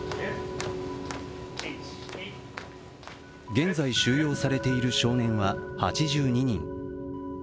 現在、収容されている少年は８２人。